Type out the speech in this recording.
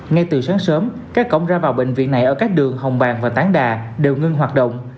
ngay từ sáng sớm các cổng ra vào bệnh viện này ở các đường hồng bàng và tán đà đều ngưng hoạt động